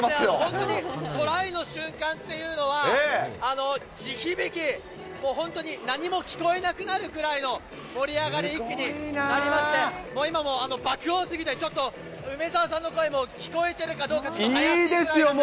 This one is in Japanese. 本当にトライの瞬間っていうのは、地響き、もう本当に何も聞こえなくなるぐらいの盛り上がりに一気になりまして、もう今も爆音すぎて、ちょっと梅澤さんの声も聞こえてるかどうかちょっと怪しいぐらいなんですけども。